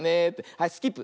はいスキップ。